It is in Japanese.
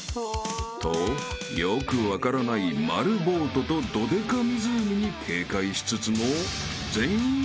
［とよく分からない丸ボートとドデカ湖に警戒しつつも］